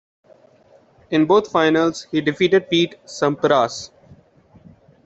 In both finals, he defeated Pete Sampras.